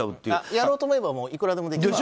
やろうと思えばいくらでもできます。